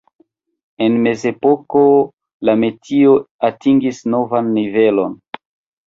En Mezepoko la metio atingis novan nivelon.